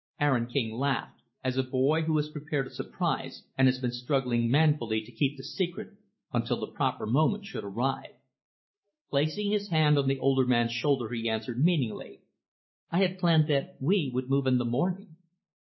Aaron King laughed as a boy who has prepared a surprise, and has been struggling manfully to keep the secret until the proper moment should arrive. Placing his hand on the older man's shoulder, he answered meaningly, "I had planned that we would move in the morning."